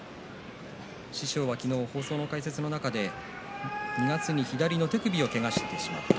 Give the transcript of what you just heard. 師匠は昨日、解説の中で２月に左の手首をけがしてしまった。